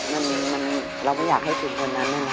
เราไม่อยากให้ฝืนคนนั้นนะคะ